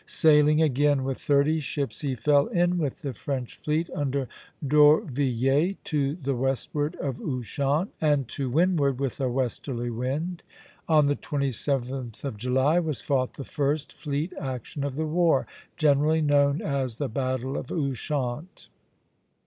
Sailing again with thirty ships, he fell in with the French fleet under D'Orvilliers to the westward of Ushant, and to windward, with a westerly wind. On the 27th of July was fought the first fleet action of the war, generally known as the battle of Ushant.